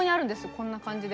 こんな感じで。